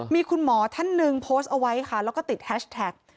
มีคุณหมอท่านหนึ่งโพสต์เอาไว้ค่ะแล้วก็ติดแฮชแท็ก